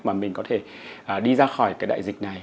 mà mình có thể đi ra khỏi cái đại dịch này